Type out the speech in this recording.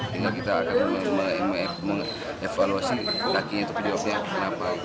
ketika kita akan mengevaluasi kakinya itu penjawabnya kenapa